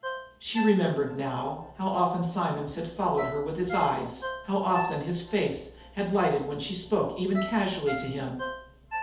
She remembered, now, how often Simonds had followed her with his eyes, how often his face had lighted when she spoke even casually to him.